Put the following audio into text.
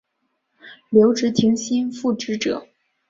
留职停薪复职者